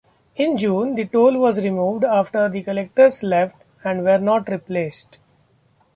In June, the toll was removed after the collectors left and were not replaced.